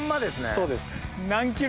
そうです。